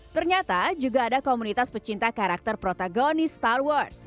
ternyata juga ada komunitas pecinta karakter protagonis star wars